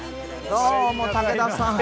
どうも武田さん。